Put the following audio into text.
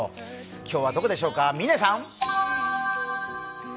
今日はどこでしょうか、嶺さん。